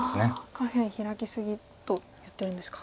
下辺ヒラき過ぎと言ってるんですか。